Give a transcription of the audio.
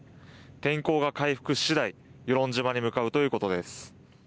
天候が回復ししだい与論島に向かうということです。